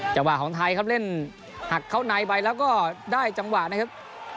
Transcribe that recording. ของไทยครับเล่นหักเข้าในไปแล้วก็ได้จังหวะนะครับ